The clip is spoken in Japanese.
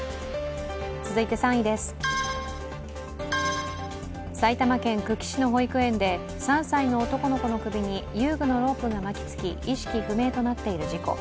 続いて３位です、埼玉県久喜市の保育園で３歳の男の子の首に遊具のロープが巻きつき意識不明となっている事故。